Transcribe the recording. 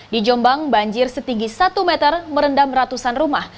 di jombang banjir setinggi satu meter merendam ratusan rumah